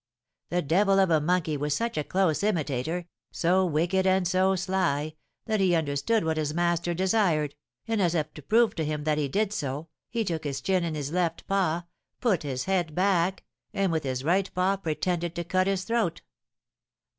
The devil of a monkey was such a close imitator so wicked and so sly that he understood what his master desired, and as if to prove to him that he did so, he took his chin in his left paw, put his head back, and, with his right paw, pretended to cut his throat.